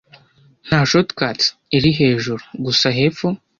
Nta shortcuts iri hejuru, gusa hepfo.